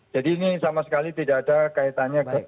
jadi ini sama sekali tidak ada kaitannya